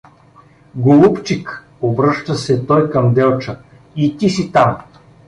Голубчик! — обръща се той към Делча — и ти си там!